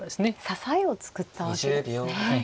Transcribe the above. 支えを作ったわけですね。